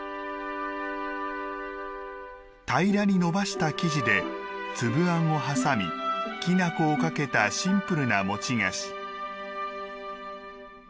平らにのばした生地でつぶあんをはさみきなこをかけたシンプルな餅菓子。